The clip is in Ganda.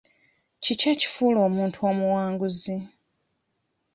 Kiki ekifuula omuntu omuwanguzi?